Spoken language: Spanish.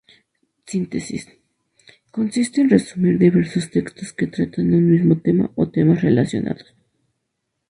Síntesis: consiste en resumir diversos textos que tratan un mismo tema o temas relacionados.